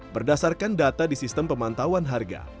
berdasarkan data di sistem pemantauan harga